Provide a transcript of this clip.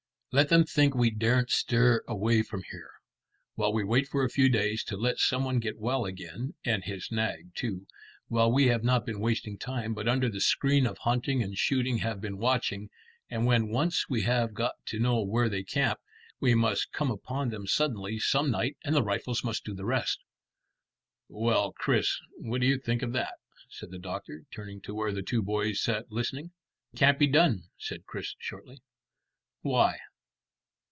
"Let them think we daren't stir away from here, while we wait for a few days to let some one get well again, and his nag too, while we have not been wasting time, but under the screen of hunting and shooting have been watching, and when once we have got to know where they camp, we must come upon them suddenly some night, and the rifles must do the rest." "Well, Chris, what do you think of that?" said the doctor, turning to where the two boys sat listening. "Can't be done," said Chris shortly. "Why?"